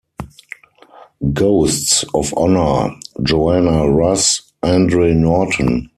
Ghosts of Honour: Joanna Russ, Andre Norton.